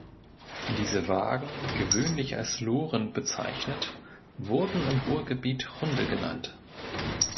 Diese Wagen, gewöhnlich als "Loren" bezeichnet, wurden im Ruhrgebiet "Hunde" genannt.